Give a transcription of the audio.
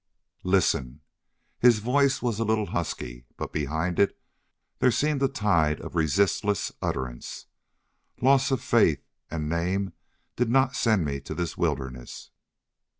"Listen." His voice was a little husky, but behind it there seemed a tide of resistless utterance. "Loss of faith and name did not send me to this wilderness.